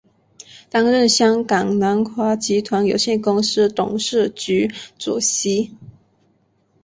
担任香港南华集团有限公司董事局主席。